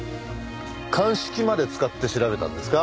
鑑識まで使って調べたんですか？